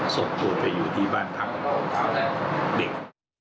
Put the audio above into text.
ส่งโตไปอยู่ที่บ้านของเด็ก